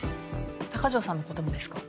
高城さんのこともですか？